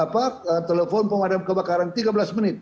telepon pemadam kebakaran tiga belas menit